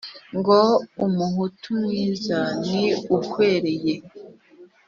ngo umuhutu mwiza ni uhwereye